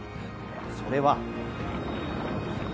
それは。